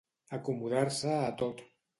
Acomodar-se a tot.